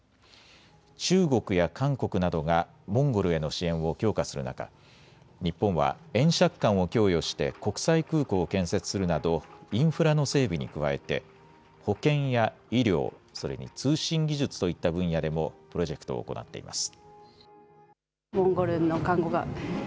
中国や韓国などがモンゴルへの支援を強化する中、日本は円借款を供与して国際空港を建設するなどインフラの整備に加えて保健や医療、それに通信技術といった分野でもプロジェクトを行っています。